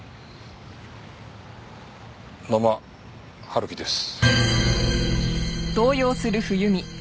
野間春樹です。